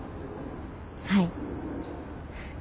はい。